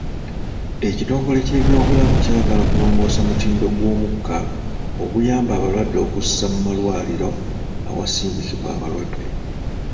Ekitongole ky'ebyobulamu kyagala kulongoosa mutindo gw'omukka oguyamba abalwadde okussa mu malwaliro awasindikibwa abalwadde